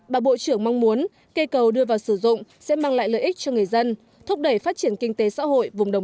bà bộ trưởng mong muốn cây cầu đưa vào sử dụng sẽ mang lại lợi ích cho người dân